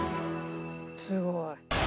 すごい！